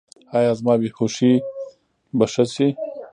ایا زما بې هوښي به ښه شي؟